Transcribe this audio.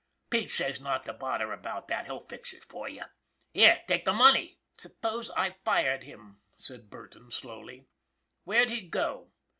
Pete says not to bother about that, he'll fix it for you. Here, take the money." " Suppose I fired him," said Burton, slowly, "where'd he go?"